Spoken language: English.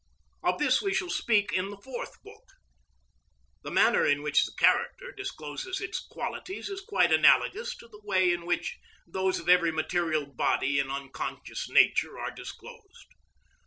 Of this we shall speak in the Fourth Book. The manner in which the character discloses its qualities is quite analogous to the way in which those of every material body in unconscious nature are disclosed.